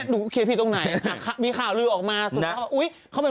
นุ่มเริ่มตอบป่ะ